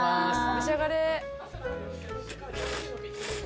召し上がれ。